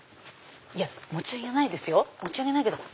持ち上げないですよ持ち上げないけど。